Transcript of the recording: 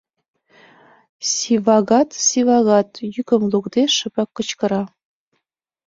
— Сивагат, Сивагат, — йӱкым лукде, шыпак кычкыра.